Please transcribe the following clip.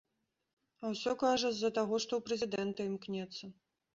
А ўсё, кажа, з-за таго, што ў прэзідэнты імкнецца.